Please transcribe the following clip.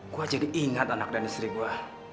gue jadi ingat anak dan istri gue